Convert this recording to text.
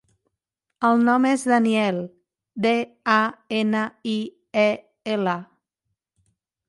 El nom és Daniel: de, a, ena, i, e, ela.